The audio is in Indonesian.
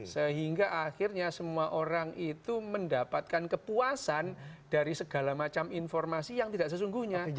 sehingga akhirnya semua orang itu mendapatkan kepuasan dari segala macam informasi yang tidak sesungguhnya